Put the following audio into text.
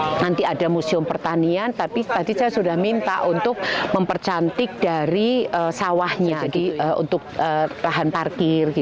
kalau nanti ada museum pertanian tapi tadi saya sudah minta untuk mempercantik dari sawahnya untuk lahan parkir